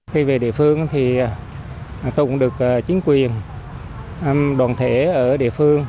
khi về địa phương thì tôi cũng được chính quyền đoàn thể ở địa phương